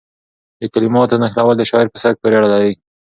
د کلماتو نښلول د شاعر په سبک پورې اړه لري.